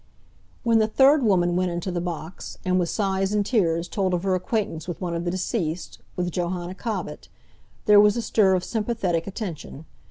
When the third woman went into the box, and with sighs and tears told of her acquaintance with one of the deceased, with Johanna Cobbett, there was a stir of sympathetic attention.